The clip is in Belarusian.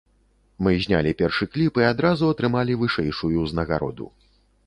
Мы знялі першы кліп і адразу атрымалі вышэйшую ўзнагароду.